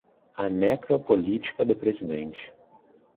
A necropolítica do presidente